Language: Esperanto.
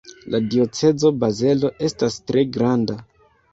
La diocezo Bazelo estas tre granda.